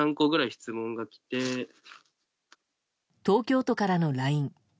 東京都からのＬＩＮＥ。